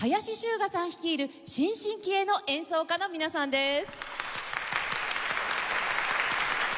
率いる新進気鋭の演奏家の皆さんです。